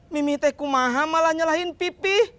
mimih teh kumaha malah nyalahin pipih